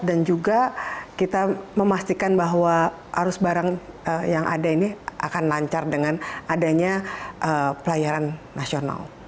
dan juga kita memastikan bahwa arus barang yang ada ini akan lancar dengan adanya pelayaran nasional